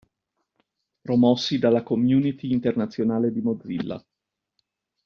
Promossi dalla Community Internazionale di Mozilla.